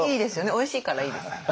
おいしいからいいです。